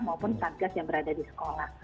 maupun satgas yang berada di sekolah